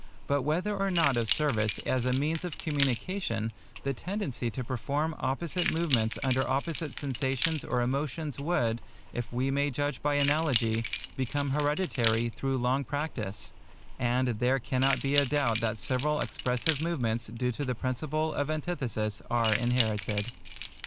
But whether or not of service as a means of communication, the tendency to perform opposite movements under opposite sensations or emotions would, if we may judge by analogy, become hereditary through long practice; and there cannot be a doubt that several expressive movements due to the principle of antithesis are inherited.